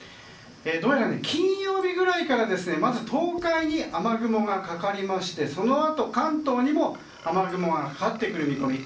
どうやら金曜日ぐらいからまず東海に雨雲がかかりましてそのあと、関東にも雨雲がかかってくる見込み。